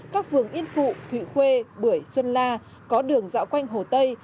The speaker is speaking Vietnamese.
các vườn yên phụ thụy khuê bưởi xuân la có đường dạo quanh hồ tây